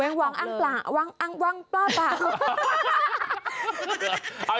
เว้งว้างว้างปลาบา